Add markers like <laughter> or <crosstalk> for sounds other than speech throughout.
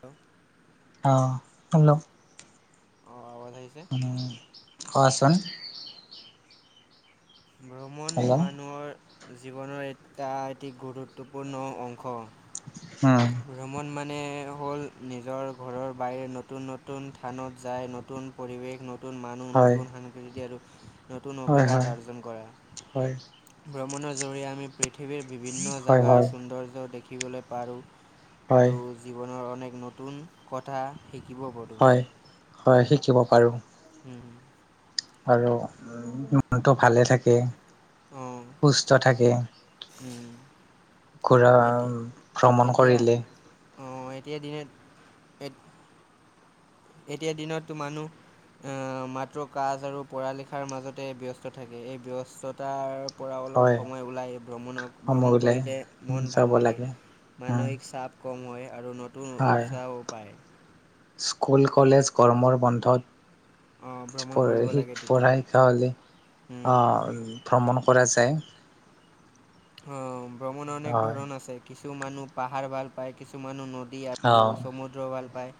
Hello. অঁ', -hello. অ' আৱাজ আহিছে। কোৱা চোন? ভ্ৰমণ হেল্ল' মানুহৰ জীৱনৰ এটা এটি গুৰুত্বপূৰ্ণ অংশ। অঁ'। ভ্ৰমণ মানে হ'ল নিজৰ ঘৰৰ বাহিৰে নতুন-নতুন থানত যায়, - নতুন পৰিৱেশ, নতুন মানুহ, হয় নতুন সাংস্কৃতি, আৰু নতুন হয় হয় অভিজ্ঞতা অৰ্জন কৰা। হয় ভ্ৰমণৰ জৰিয়তে আমি পৃথিৱীৰ বিভিন্ন হয় জাগাৰ হয় সৌন্দৰ্য দেখিবলৈ পাৰোঁ। হয় আৰু জীৱনৰ অনেক নতুন কথা শিকিব পাৰোঁ। হয় হয়, শিকিব পাৰো। হুম-হুম। আৰু মনটো ভালে থাকে। অ, সুষ্ট থাকে। উম, ঘূৰা ভ্ৰমণ কৰিলে। অঁ', এতিয়া দিনত, এত এতিয়া দিনততো মানুহ আ মাত্ৰ কাজ আৰু পঢ়া লিখাৰ মাজতে ব্যস্ত থাকে এই ব্যস্ততাৰ পৰা অলপ হয় সময় ওলায় ভ্ৰমণক সময় ভ্ৰমণ ওলাই কৰিলে মন ভাল লাগে উম মানসিক চাপ কম হয় আৰু নতুন হয় উৎসাহো পায় স্কুল কলেজ গৰমৰ বন্ধত অ, ভ্ৰমণ পঢ়ে কৰিব সি লাগে তেতিয়া। পঢ়া কাৰণে উম, হুম। আহ ভ্ৰমণ কৰে যে। অঁ! ভ্ৰমণ অনেক হয় ধৰণ আছে কিছু মানুহ পাহাৰ ভাল পায়, কিছু মানুহ নদী নদী অঁ আৰু সমুদ্ৰ ভাল পায়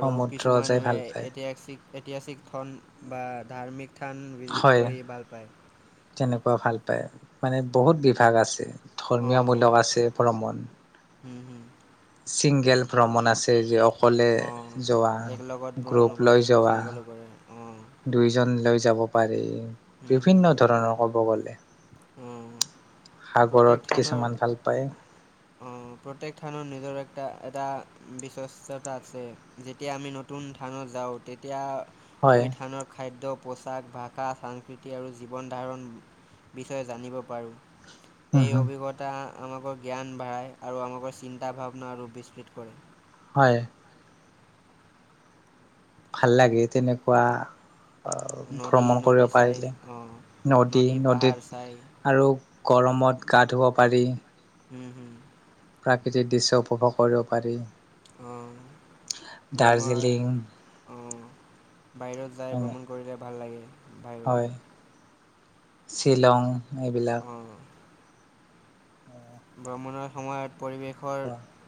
আৰু কিছু যাই মানুহে ভাল পায় ঐতিহাসিক ঐতিহাসিক ফন বা ধাৰ্মিক স্থান ভিজিট হয় কৰি ভাল পায়। তেনেকুৱা ভাল পায় মানে বহুত বিভাগ আছে অ', অ', ধৰ্মীয়মূলক আছে ভ্ৰমণ। হুম, হুম। চিংগেল ভ্ৰমণ আছে যি অক অকলে অঁ যোৱা, এক লগত ভ্ৰমণো কৰে গ্ৰুপলৈ যোৱা। ছিংগলো কৰে অঁ দুইজন লৈ যাব পাৰি বিভিন্ন ধৰণৰ ক'ব গ'লে। উম! সাগৰত কিছুমান ভাল পায়। অঁ! প্ৰত্যেক থানত নিজৰ এটা-এটা বিশ্বাসতা আছে। যেতিয়া আমি নতুন থানত যাওঁ তেতিয়া হয় ঐ থানত খাদ্য, পোছাক, ভাষা, সাংস্কৃতি আৰু জীৱন ধাৰণ বিষয়ে জানিব পাৰোঁ। হুম, এই হুম, অভিজ্ঞতা আমাকো জ্ঞান বঢ়ায় আৰু আমাকো চিন্তা, ভাৱনা আৰু বিস্ফৃত কৰে। হয়। ভাল লাগে তেনেকোৱা অঁ! নদী ভ্ৰমণ নদী কৰিব চাই পাৰিলে অঁ নদী পাহাৰ নদীত চাই আৰু গৰমত গা ধুব পাৰি। হুম-হুম! প্ৰাকৃতিক দৃশ্য উপভোগ কৰিব পাৰি। অঁ দাৰ্জিলিং উম! বাহিৰত যায় এনে ভ্ৰমণ কৰিলে ভাল লাগে। বাহিৰত হয়, শ্বিলং এইবিলাক। উম! অঁ! ভ্ৰমণৰ সময়ত পৰিৱেশৰ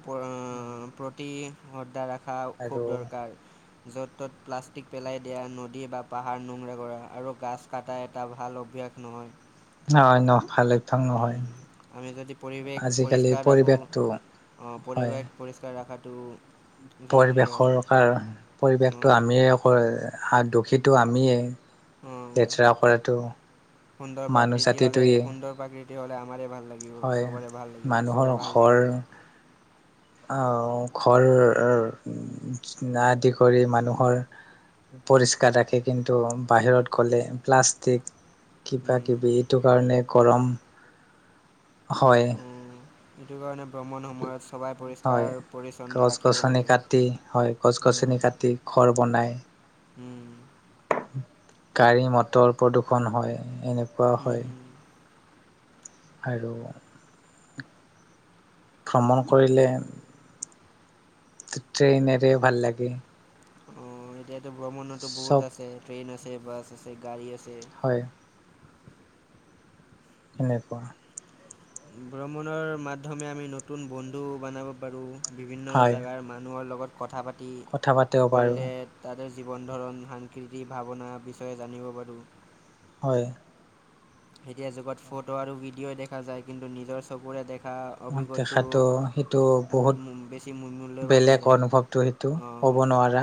পৰা অঁ প্ৰতি <unintelligible> ৰাখা খুব আৰু দৰকাৰ। য'ত-তত প্লাষ্টিক পেলাই দিয়া, নদী বা পাহাৰ নোংৰা কৰা আৰু গাছ কাটাই এটা ভাল অভ্যাস নহয়। নহয় নহ ভালে। অভ্যাস নহয়। উম, আমি যদি পৰিৱেশ আজিকালি পৰিষ্কাৰ ৰাখোঁ পৰিৱেশটো অঁ, হয়। পৰিৱেশ পৰিষ্কাৰ ৰাখাটো পৰিৱেশৰ কাৰ পৰিৱেশটো অঁ, আমিয়েই হাত দুখীটো আমিয়েই। অঁ। লেতেৰা কৰাটো মানুহ জাতিটোয়েই। তেতিয়াহ'লে আমাৰেই ভাল লাগিব, চবৰে ভাল লাগিব, মানুহৰ চবে ভাল থাকিব। অঁ! ঘৰ আদি কৰি মানুহৰ পৰিষ্কাৰ ৰাখে কিন্তু বাহিৰত গ'লে প্লাষ্টিক উম, কিবা-কিবি এইটো কাৰণে গৰম হয়। এইটো কাৰণে ভ্ৰমণ সময়ত চবেই পৰিষ্কাৰ-পৰিচ্ছন্ন ৰাখিব লাগে। কি? হয়। উম, গছ-গছনি কাটি ঘৰ বনাই। উম! গাড়ী, মটৰ প্ৰদূষণ হয়, সেনেকুৱাও হুম, হয়। হুম। আৰু ভ্ৰমণ কৰিলে ট্ৰেইনেৰে ভাল লাগে। অ এতিয়াতো ভ্ৰমণতো চব বহুত আছে ট্ৰেন বাছ আছে বাছ গাড়ী আছে। হয় সেনেকুৱা। ভ্ৰমণৰ মাধ্যমে আমি নতুন বন্ধু বনাব পাৰো। বিভিন্ন হয় জেগাৰ মানুহৰ লগত কথা পাতি কথা পাতিব পাৰোঁ কৰিলে। তাহাঁতৰ জীৱন ধৰণ সাংস্কৃতিক ভাৱনা বিষয়ে জানিব পাৰো। হয়। এতিয়া যুগত ফটো আৰু ভিডিঅ' দেখা যায় কিন্তু নিজৰ চকুৰে দেখা অভিজ্ঞতাটো দেখাটো সেইটো বহুত মূ- বেছি মূ- মূল্যৱান হৈ বেলেগ যায় অনুভৱটো সেই টো অঁ ক'ব নোৱাৰা,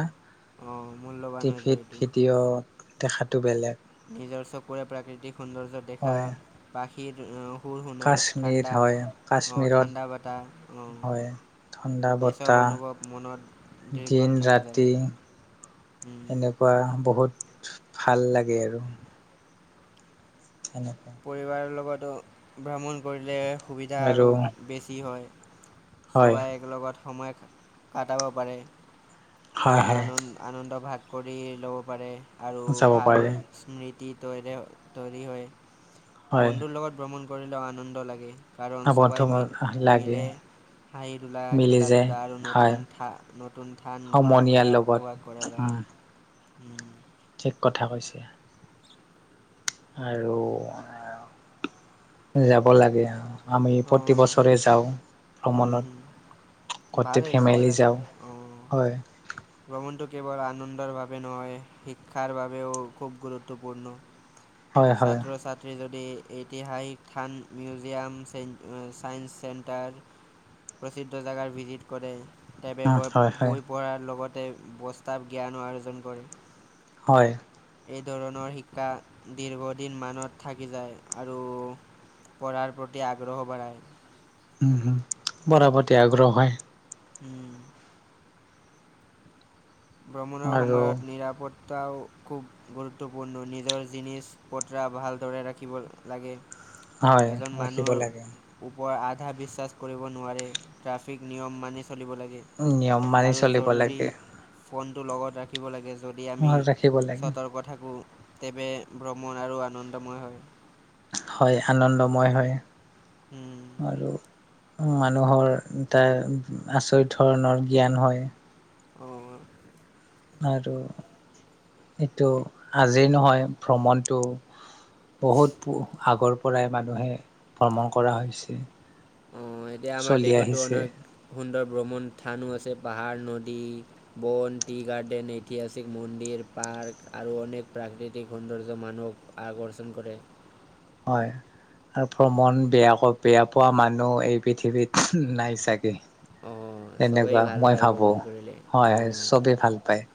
অঁ মূল্যৱান হৈ যায় টিভিত এইটো ভিডিঅ' দেখাটো বেলেগ। নিজৰ চকুৰে প্ৰাকৃতিক সৌন্দৰ্য দেখা হয় বা সেই শুনা কাশ্মীৰ ঠাণ্ডা হয় অঁ কাশ্মীৰত ঠাণ্ডা বতাহ অঁ। হয় ঠাণ্ডা এই চব বতাহ অনুভৱ মনত দিন দিৰ্গন থাকে যাই। ৰাতি এনেকুৱা বহুত ভাল লাগে আৰু। সেনেকুৱা পৰিবাৰৰ কৰিলে ভ্ৰমণ কৰিলে সুবিধা আৰু বেছি হয়। হয় চবেই একেলগতে সময় কটাব পাৰে। হয় হয় আনন্দ আনন্দ ভাগ কৰি ল'ব পাৰে আৰু যাব ভাল পাৰে স্মৃতি তৰে তৈৰি হয়। হয় বন্ধুৰ লগত ভ্ৰমণ কৰিলেও আনন্দ লাগে কাৰণ বন্ধু সবাই মি লাগে মিলে হাঁহি ধোলা মিলি খেলা যায় ধূলা আৰু হয় নতুন নতুন থান ঘূৰা সমনীয়াৰ ফুৰা লগত উপভাস কৰা উম যায় উম ঠিক কথা কৈছে। আৰু আ যাব লাগে। আমি প্ৰতি অঁ বছৰে যাওঁ ভ্ৰমণত। গোটেই ভালেই যাবই ফেমিলি লাগে যাওঁ অঁ। হয় ভ্ৰমণটো কেৱল আনন্দৰ বাবে নহয় শিক্ষাৰ বাবেও খুব গুৰুত্বপূৰ্ণ। হয় হয় ছাত্ৰ ছাত্ৰী যদি ঐতিহাসিক থান মিউজিয়াম চে চায়েঞ্চ চেণ্টাৰ। প্ৰসিদ্ধ জেগাৰ ভিজিট কৰে। হয় হয় বৈ পঢ়াৰ লগতে বস্তাৱ জ্ঞানো আৰ্জন কৰে। হয় এই ধৰণৰ শিক্ষা দীৰ্ঘদিন মানত থাকি যায় আৰু পঢ়াৰ প্ৰতি আগ্ৰহ বঢ়ায়। উম হুম পঢ়াৰ প্ৰতি আগ্ৰহ হয়। উম ভ্ৰমণৰ আৰু সময়ত নিৰাপত্তাও খুব গুৰুত্বপূৰ্ণ নিজৰ জিনিজ পত্ৰা ভালদৰে ৰাখিব লাগে হয় এজন ৰাখিব মানুহৰ লাগে ওপৰ আধা বিশ্বাস কৰিব নোৱাৰে ট্ৰেফিক নিয়ম মানি চলিব লাগে। উম নিয়ম মানি আৰু চলিব জৰুৰী লাগে ফোনটো লগত ৰাখিব লাগে যদি আমি ৰাখিব লাগে সতৰ্ক থাকো তেৱে ভ্ৰমণ আৰু আনন্দময় হয়। হয় আনন্দময় হয় উম, আৰু মানুহৰ এটা আচৰিত ধৰণৰ জ্ঞান হয়। অঁ আৰু এইটো আজিৰ নহয় ভ্ৰমণটো। বহুত প, আগৰ পৰাই মানুহে ভ্ৰমণ কৰা হৈছে। অ', এতিয়া আমাৰ চলি দেশতো আহিছে অনেক সুন্দৰ ভ্ৰমণ থানো আছে পাহাৰ নদী বন, টি গাৰ্ডেন ঐতিহাসিক মন্দিৰ, পাৰ্ক আৰু অনেক প্ৰাকৃতিক সৌন্দৰ্য মানুহক আকৰ্ষণ কৰে। হয়। আৰু ভ্ৰমণ বেয়া-বেয়া পোৱা মানুহ এই পৃথিৱীত নাই চাগে। অ', চবেই তেনেকুৱা ভাল মই পায় ভাবো। ভ্ৰমণ কৰিলে। হয়, অ'। চবেই ভাল পায়।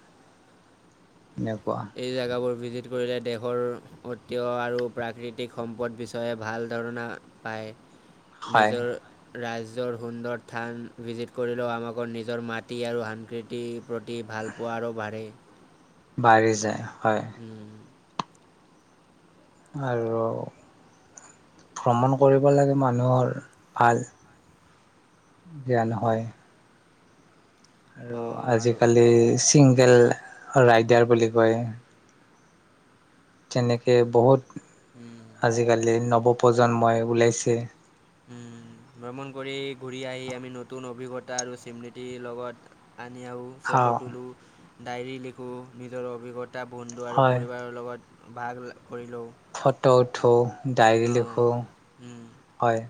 এনেকুৱা। এই জেগাবোৰ ভিজিট কৰিলে দেশৰ ঐত্য আৰু প্ৰাকৃতিক সম্পদ বিষয়ে ভাল ধৰণা পায়। হয় নিজৰ ৰাজ্যৰ সুন্দৰ থান ভিজিট কৰিলেও আমাকৰ নিজৰ মাটি আৰু সাংস্কৃতিৰ প্ৰতি ভাল পুুৱাৰো বাঢ়ে। বাঢ়ি যায় হয়। উম। আৰু ভ্ৰমণ কৰিব লাগে মানুহৰ ভাল। জ্ঞান হয়। আৰু অঁ আৰু আজিকালি চিংগেল ৰাইডাৰ বুলি কয়। তেনেকে বহুত আজিকালি নৱপ্ৰজন্মই ওলাইছে। উম, ভ্ৰমণ কৰি ঘূৰি আহি আমি নতুন অভিজ্ঞতা আৰু স্মৃতিৰ লগত আনি আৰু ফটো খাওঁ তোলা, ডায়েৰী লিখোঁ নিজৰ অভিজ্ঞতা বন্ধু আৰু হয় পৰিবাৰৰ লগত <unintelligible> কৰি লওঁ। ফটো উঠো, ডায়েৰী লিখোঁ লওঁ হয়।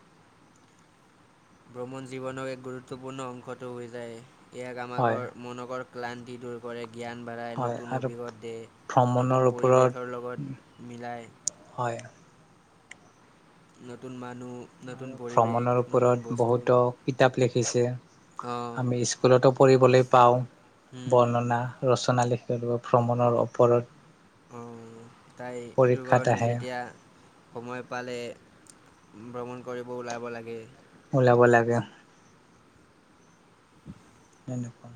ভ্ৰমণ জীৱনৰ এক গুৰুত্বপূৰ্ণ অংশটো হৈ যায়, ইয়াক হয় আমাকৰ মনকৰ ক্লান্তিটোৰ কৰে জ্ঞান বাঢ়াই, হয় নতুন আৰু অভিষত দে ভ্ৰমণৰ নতুন ওপৰত পৰিৱেশৰ লগত মিলাই হয়। নতুন মানুহ নতুন আৰু পৰিৱেশ, ভ্ৰমণৰ নতুন ওপৰত বস্তু। বহুতো কিতাপ লিখিছে, অ', আমি স্কুলতো পঢ়িবলৈ পাওঁ, হুম, হুম, বৰ্ণনা ৰচনা লিখিব ভ্ৰমণৰ ওপৰত। অ', তাই এইটোৰ পৰীক্ষাত কাৰণে আহে যেতিয়া সময় পালে ভ্ৰমণ কৰিব ওলাব লাগে। ওলাব লাগে। এনেকুৱা।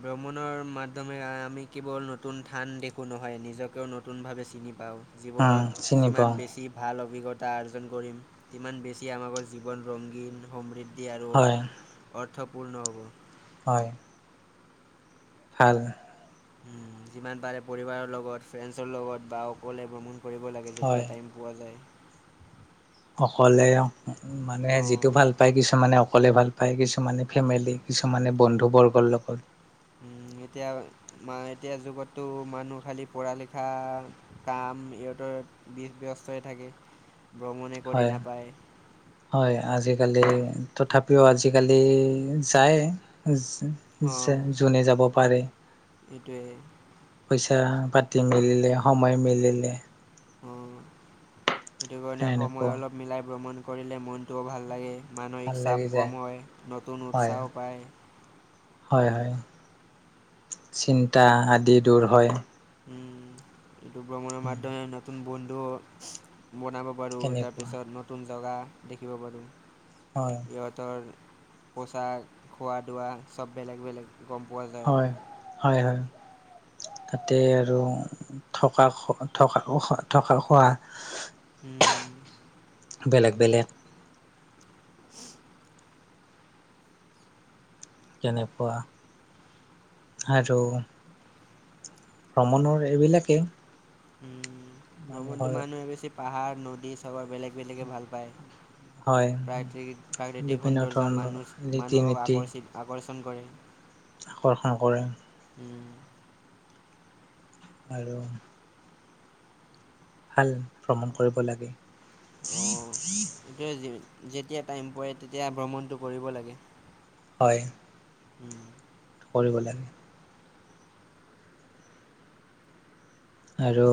ভ্ৰমণৰ মাধ্যমে আমি কেৱল নতুন থান দেখোঁ নহয় নিজকেও নতুনভাৱে চিনি পাওঁ। উম জীৱনত চিনি যিমান পাওঁ বেছি ভাল অভিজ্ঞতা আৰ্জন কৰিম, ইমান বেছি আমাকৰ জীৱন ৰংগীন সমৃদ্ধ এ আৰু হয় অৰ্থপূৰ্ণ হ'ব। হয়। ভাল। উম, যিমান পাৰে পৰিবাৰৰ লগত ফ্ৰেণ্ডছৰ লগত বা অকলে ভ্ৰমণ কৰিব লাগে হয় যেতিয়া টাইম পোৱা যায়। অকলে মানুহে যিটো অঁ ভাল পায় কিছুমাননে অকলে ভাল পায় কিছু কিছুমানে উম, ফেমিলি কিছুমানে বন্ধুবৰ্গৰ লগত। উম এতিয়া মা এতিয়া যুগতো মানুহ খালী পঢ়া লিখা কাম ইহঁতৰ বিষ ব্যস্তই থাকে ভ্ৰমণে কৰি হয়। নাপায় হয় আজিকালি তথাপিও আজিকালি যায়। অঁ যোনে যাব পাৰে এইটোৱে পইচা পাতি পাতি মিলিলে সময় মিলিলে অ সেইটো কাৰণে সময় এনেকুৱা অলপ মিলাই ভ্ৰমণ কৰিলে মনটোও ভাল লাগে। ভাল মানসিক লাগি চাপ যায় কম হয় নতুন হয় উৎসাহ পায়। হয় হয় চিন্তা আদি দূৰ হয়। উম উম এইটো ভ্ৰমণৰ মাধ্যমে নতুন বন্ধু বনাব পাৰো কেনেকুৱা তাৰপিছত নুতুন জেগা দেখিব পাৰোঁ। হয়। সিহঁতৰ পোচাক খোৱা দোৱা চব বেলেগ বেলেগ। গম পোৱা যায়। হয়, হয়, হয়। তাতে আৰু থকা থকা থকা খোৱা। উম, উম। বেলেগ বেলেগ। <unintelligible> কেনেকুৱা আৰু ভ্ৰমণৰ এইবিলাকে ভ্ৰমণটো মানুহে বেছি পাহাৰ নদী চবৰে বেলেগ বেলেগে ভাল পায়। হয় প্ৰাকৃতিক বিভিন্ন সৌন্দৰ্য ধৰণৰ মানুচ ৰীতি নীতি মানুহক আকৰ্ষণ কৰে। আকৰ্ষণ কৰে। উম, আৰু ভাল। ভ্ৰমন কৰিব লাগে। অঁ যেতিয়া টাইম পোৱা তেতিয়াই ভ্ৰমণটো কৰিব লাগে। হয়। উম। কৰিব লাগে। আৰু